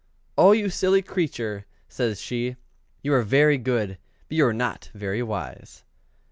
"Oh, you silly creature!" says she; "you are very good, but you are not very wise."